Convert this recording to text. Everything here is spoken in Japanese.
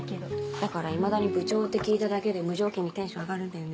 だからいまだに「部長」って聞いただけで無条件にテンション上がるんだよね。